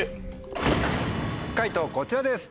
解答こちらです。